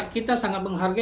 kita sangat menghargai